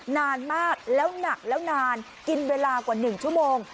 นานมากแล้วหนักแล้วนานกินเวลากว่า๑ชั่วโมง